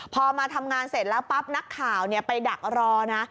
พอมาทำงานเสร็จแล้วปั๊บนักข่าวไปดักรอนะ